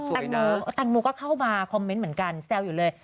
แตงโมแตงโมก็เข้ามาคอมเมนต์เหมือนกันแซวอยู่เลย